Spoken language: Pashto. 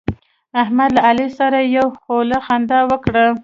احمد له علي سره یوه خوله خندا وکړه.